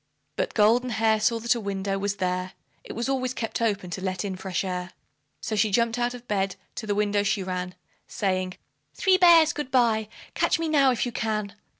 But Goldenhair saw that a window was there, (It was always kept open to let in fresh air), So she jumped out of bed to the window she ran, Saying "Three bears, good bye! Catch me now if you can!"